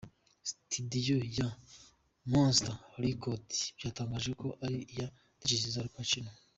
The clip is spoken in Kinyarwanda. Studio ya Monster Record byatangajwe ko ari iya Dj Zizou Alpacino.